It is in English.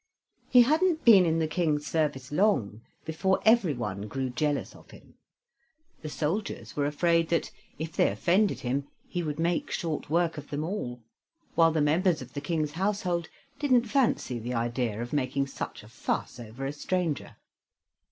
He hadn't been in the King's service long before every one grew jealous of him. The soldiers were afraid that, if they offended him, he would make short work of them all, while the members of the King's household didn't fancy the idea of making such a fuss over a stranger.